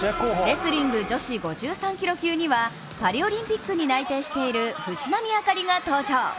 レスリング女子５３キロ級にはパリオリンピックに内定している藤波朱理が登場。